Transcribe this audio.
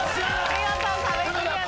見事壁クリアです。